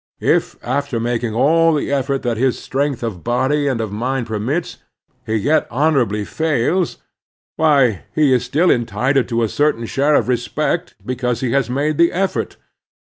If, after making all the effort that his strength of body and of mind permits, he yet honorably f'^ils, 244 The Strenuous Life why, he is still entitled to a certain share of re spect because he has made the effort.